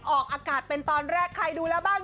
ออกอากาศเป็นตอนแรกใครดูแล้วบ้าง